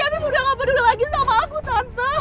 tapi udah gak peduli lagi sama aku tante